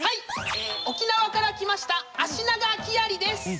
沖縄から来ましたアシナガキアリです！